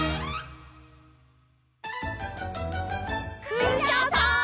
クシャさん！